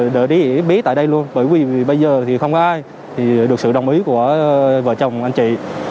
đợi đi bí tại đây luôn bởi vì bây giờ thì không có ai thì được sự đồng ý của vợ chồng anh chị